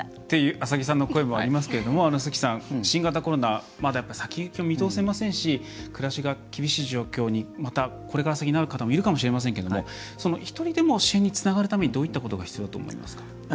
という麻木さんの声もありますけれども、関さん新型コロナ、まだやっぱり先行きが見通せませんし暮らしが厳しい状況にまた、これから先なる方もいるかもしれませんけれども一人でも支援につながるためにどういったことが必要だと思いますか？